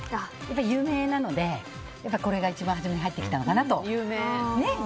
有名なのでこれが一番初めに入ってきたのかなと。